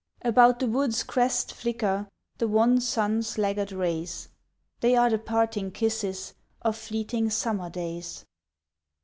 About the wood's crest flicker The wan sun's laggard rays, They are the parting kisses Of fleeting summer days.